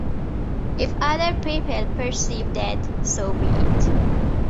If other people perceive that, so be it.